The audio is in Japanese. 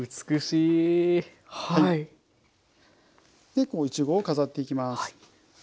いちごを飾っていきます。